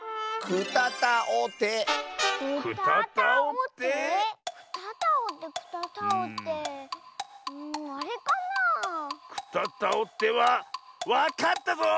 くたたをてはわかったぞ！